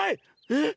えっ？